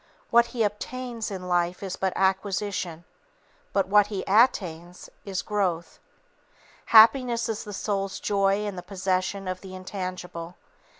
What he _ob_tains in life is but acquisition; what he _at_tains, is growth. Happiness is the soul's joy in the possession of the intangible.